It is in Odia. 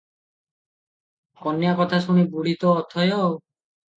କନ୍ୟା କଥା ଶୁଣି ବୁଢ଼ୀ ତ ଅଥୟ ।